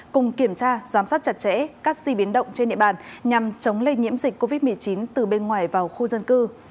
cùng kiểm tra giám sát chặt chẽ các di biến động trên địa bàn nhằm chống lây nhiễm dịch covid một mươi chín từ bên ngoài vào khu dân cư